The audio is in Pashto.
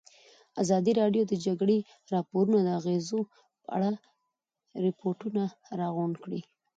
ازادي راډیو د د جګړې راپورونه د اغېزو په اړه ریپوټونه راغونډ کړي.